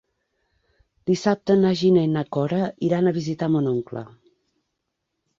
Dissabte na Gina i na Cora iran a visitar mon oncle.